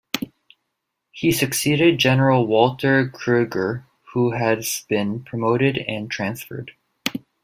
He succeeded general Walter Krueger, who has been promoted and transferred.